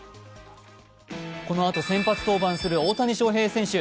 このあと先発登板する大谷翔平選手。